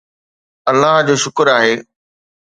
الله جو شڪر آهي